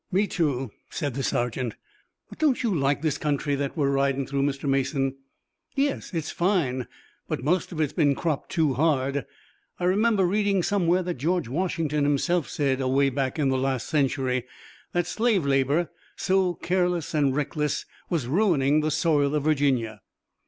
"Me too," said the sergeant. "But don't you like this country that we're ridin' through, Mr. Mason?" "Yes, it's fine, but most of it has been cropped too hard. I remember reading somewhere that George Washington himself said, away back in the last century, that slave labor, so careless and reckless, was ruining the soil of Virginia."